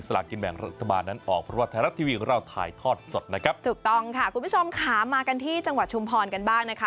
ใช่แล้วคุณผู้ชมค่ะมากันที่จังหวัดชุมพรกันบ้างนะคะ